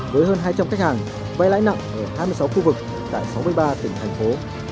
với hơn hai trăm linh khách hàng vai lãi nặng ở hai mươi sáu khu vực tại sáu mươi ba tỉnh thành phố